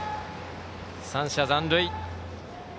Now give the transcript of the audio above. ３者残塁。